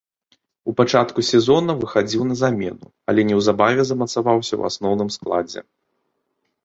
У пачатку сезона выхадзіў на замену, але неўзабаве замацаваўся ў асноўным складзе.